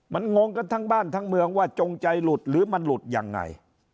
มันงงกันทั้งบ้านทั้งเมืองว่าจงใจหลุดหรือมันหลุดยังไง